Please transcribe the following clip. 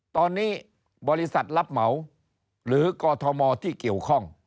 ตอนนี้บริษัทรับเหมาหรือกอทมที่เกี่ยวข้อง